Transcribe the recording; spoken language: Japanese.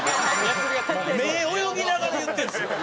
目泳ぎながら言ってるんですよ。